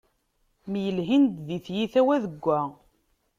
Myelhin-d di tyita wa deg wa.